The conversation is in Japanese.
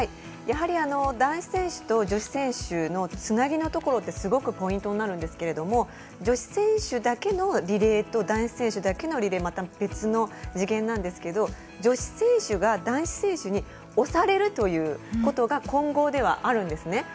やはり男子選手と女子選手のつなぎのところって、すごくポイントになるんですけれども女子選手だけのリレーと男子選手だけのリレーってまた別の次元なんですが女子選手が男子選手に押されるということが混合ではあるんですね。